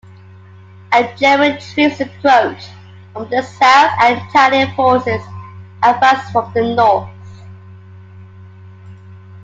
At German troops approached from the south and Italian forces advanced from the north.